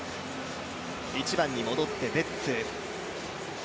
１番に戻ってベッツ。